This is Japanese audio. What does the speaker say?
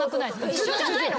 一緒じゃないの？